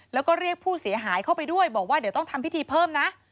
แล้วก็เรียกผู้เสียหายเข้าไปด้วยบอกว่าเดี๋ยวต้องทำพิธีเพิ่มนะ